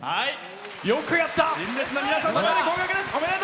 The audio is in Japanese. よくやった！